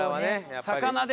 魚で。